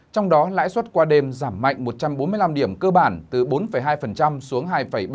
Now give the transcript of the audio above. trong đó lãi suất qua đêm giảm mạnh một trăm bốn mươi năm điểm cơ bản từ bốn hai xuống hai ba mươi